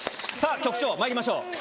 さぁ局長まいりましょう。